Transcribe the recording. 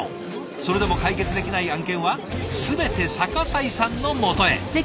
それでも解決できない案件は全て逆井さんのもとへ。